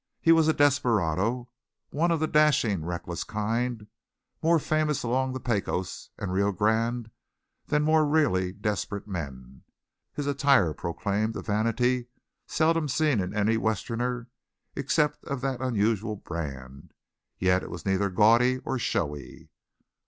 He was a desperado, one of the dashing, reckless kind more famous along the Pecos and Rio Grande than more really desperate men. His attire proclaimed a vanity seldom seen in any Westerner except of that unusual brand, yet it was neither gaudy or showy.